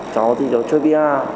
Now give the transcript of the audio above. cháu thì cháu chơi vr